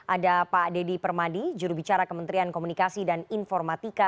ada pak deddy permadi jurubicara kementerian komunikasi dan informatika